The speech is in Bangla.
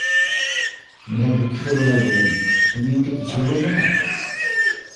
মীরা দুঃখিত গলায় বললেন, তুমি ওঁকে কিছুই বলবে না?